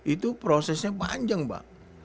itu prosesnya panjang pak